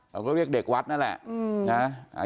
เราก็เรียกเด็กวัดนั่นแหละ